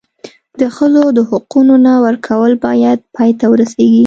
د ښځو د حقونو نه ورکول باید پای ته ورسېږي.